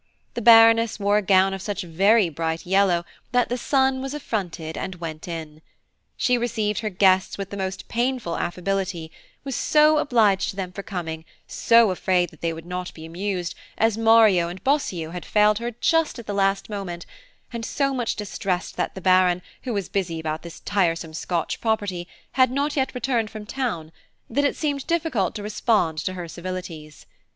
The Baroness wore a gown of such very bright yellow that the sun was affronted and went in. She received her guests with the most painful affability–was so obliged to them for coming–so afraid that they would not be amused, as Mario and Bosio had failed her just at the last moment–and so much distressed that the Baron, who was busy about this tiresome Scotch property, had not yet returned from town, that it seemed difficult to respond to her civilities.